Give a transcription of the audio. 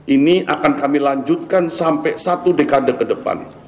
ini akan kami lanjutkan sampai satu dekade ke depan